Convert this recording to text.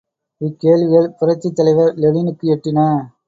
இக்கேள்விகள், புரட்சித் தலைவர் லெனினுக்கு எட்டின.